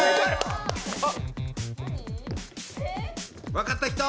分かった人！